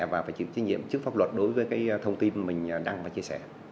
và phải chịu trách nhiệm trước pháp luật đối với thông tin mình đăng và chia sẻ